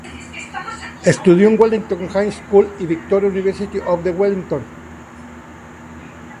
Estudió en Wellington High School y Victoria University of Wellington.